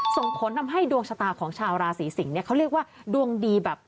ส่งผลทำให้ดวงชะตาของชาวราศีสิงศ์เนี่ยเขาเรียกว่าดวงดีแบบ